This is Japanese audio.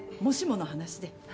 もしもの話で。